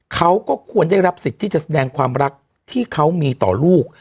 เขาก็ควรได้รับสิทธิ์ที่จะแสดงความรักที่เขามีต่อลูก